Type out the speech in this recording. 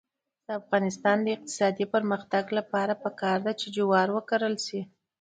د افغانستان د اقتصادي پرمختګ لپاره پکار ده چې جوار وکرل شي.